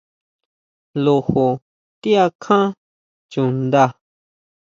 Lojo ti akjan chundá?